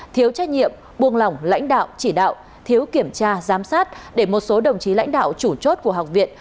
thiếu trách nhiệm buông lỏng lãnh đạo chỉ đạo thiếu kiểm tra giám sát để một số đồng chí lãnh đạo chủ chốt của học viện